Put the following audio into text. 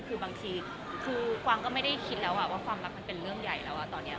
คือบางทีคือกวางก็ไม่ได้คิดแล้วว่าความรักมันเป็นเรื่องใหญ่แล้วตอนนี้